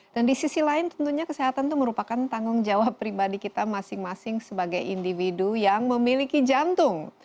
dan di sisi lain tentunya kesehatan itu merupakan tanggung jawab pribadi kita masing masing sebagai individu yang memiliki jantung